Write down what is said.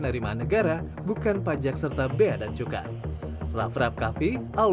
penerimaan negara bukan pajak serta bea dan cukai